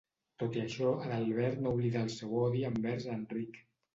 Tot i això, Adalbert no oblidà el seu odi envers Enric.